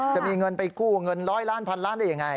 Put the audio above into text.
จะมีเงินไปกู้เงิน๑๐๐ล้านพันล้านได้ยังไง